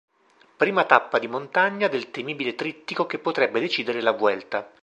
Prima tappa di montagna del temibile trittico che potrebbe decidere la Vuelta.